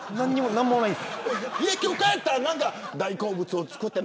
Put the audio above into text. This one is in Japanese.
何もないです。